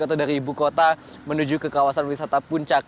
atau dari ibu kota menuju ke kawasan wisata puncak